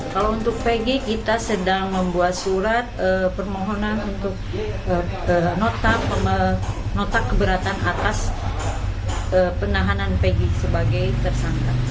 kalau untuk vg kita sedang membuat surat permohonan untuk nota keberatan atas penahanan pegi sebagai tersangka